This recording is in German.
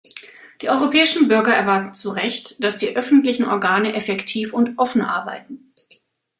Die europäischen Bürger erwarten zu Recht, dass die öffentlichen Organe effektiv und offen arbeiten.